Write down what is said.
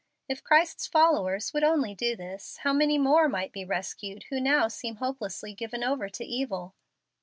If Christ's followers would only do this, how many more might be rescued who now seem hopelessly given over to evil!"